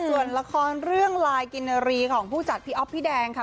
ส่วนละครเรื่องลายกินนารีของผู้จัดพี่อ๊อฟพี่แดงค่ะ